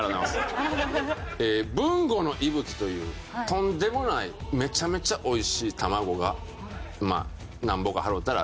豊後の息吹というとんでもないめちゃめちゃ美味しい卵がなんぼか払うたら出てきます。